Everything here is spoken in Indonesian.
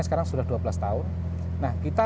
sekarang sudah dua belas tahun nah kita